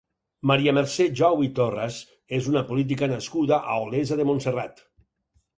Maria Mercè Jou i Torras és una política nascuda a Olesa de Montserrat.